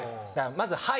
まず「はい」